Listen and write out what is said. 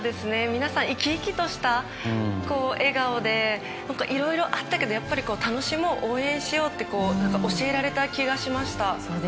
皆さん、生き生きとした笑顔でいろいろあったけどやっぱり楽しもう応援しようって教えられた気がしました。